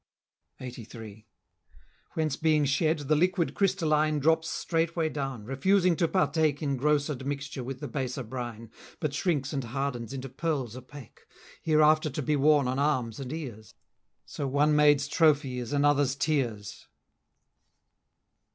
LXXXIII. Whence being shed, the liquid crystalline Drops straightway down, refusing to partake In gross admixture with the baser brine, But shrinks and hardens into pearls opaque, Hereafter to be worn on arms and ears; So one maid's trophy is another's tears!